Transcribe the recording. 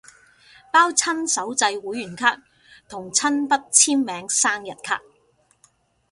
包親手製會員卡同親筆簽名生日卡